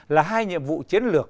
là hai nhiệm vụ chiến lược